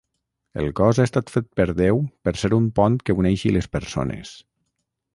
El cos ha estat fet per Déu per ser un pont que uneixi les persones.